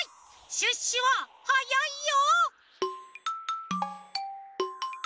シュッシュははやいよ！